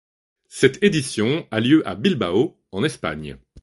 Cette édition a lieu à Bilbao, en Espagne.